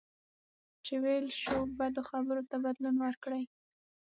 چې ویل شوو بدو خبرو ته بدلون ورکړئ.